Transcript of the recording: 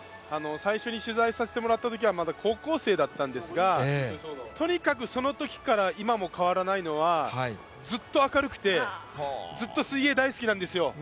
最初に取材させてもらったときはまだ高校生だったんですがとにかくそのときから今も変わらないのはずっと明るくて、ずっと水泳、大好きなんですよ。